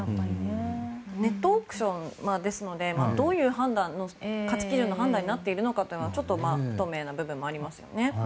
ネットオークションですのでどういう価値基準の判断になっているかは不透明な部分がありますよね。